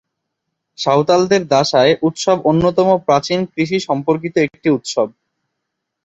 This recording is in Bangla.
সাঁওতালদের দাঁশায় উৎসব অন্যতম প্রাচীন কৃষি সম্পর্কিত একটি উৎসব।